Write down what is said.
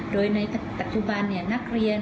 โดยในปัจจุบันนักเรียน